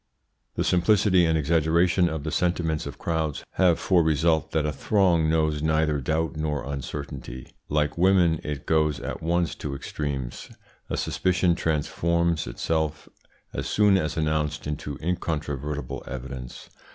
The simplicity and exaggeration of the sentiments of crowds have for result that a throng knows neither doubt nor uncertainty. Like women, it goes at once to extremes. A suspicion transforms itself as soon as announced into incontrovertible evidence.